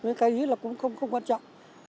nên cái gì là cũng không quan trọng